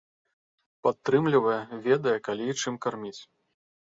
Падтрымлівае, ведае, калі і чым карміць.